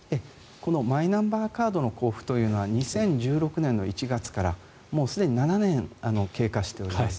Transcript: このマイナンバーカードの交付というのは２０１６年の１月からすでに７年経過しております。